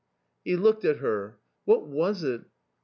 " He looked at her. What was it?